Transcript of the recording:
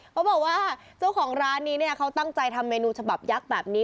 เขาบอกว่าเจ้าของร้านนี้เนี่ยเขาตั้งใจทำเมนูฉบับยักษ์แบบนี้